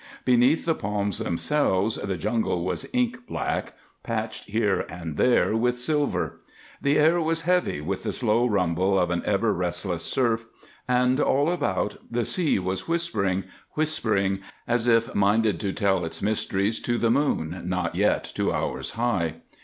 Beneath the palms themselves the jungle was ink black, patched here and there with silver. The air was heavy with the slow rumble of an ever restless surf and, all about, the sea was whispering, whispering, as if minded to tell its mysteries to the moon, not yet two hours high.